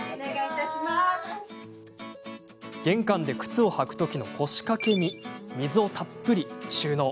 玄関で靴を履くときの腰掛けに水をたっぷり収納。